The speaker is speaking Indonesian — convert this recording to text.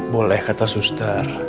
boleh kata suster